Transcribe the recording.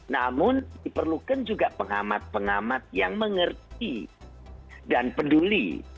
namun diperlukan juga pengamat pengamat yang mengerti dan peduli